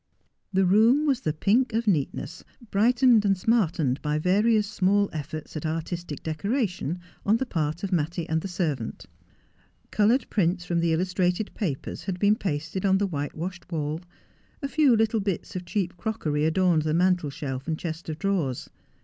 The room was the pink of neatness, brightened and smartened by various small efforts at artistic decoration on the part of Mattie and the servant. Coloured prints from the illustrated papers had been pasted on the whitewashed wall, a few little bits of cheap crockery adorned the mantelshelf and chest of drawers.